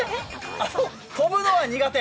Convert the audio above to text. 飛ぶのは苦手？